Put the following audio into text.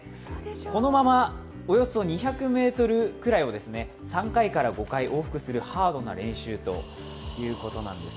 このままおよそ２００ｍくらいを３回から５回往復するハードな練習ということなんです。